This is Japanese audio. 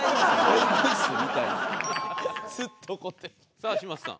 さあ嶋佐さん。